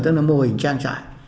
tức là mô hình trang trại